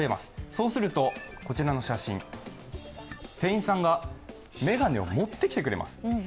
そうすると、こちらの写真、店員さんが眼鏡を持ってきてくれます。